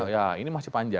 ya ini masih panjang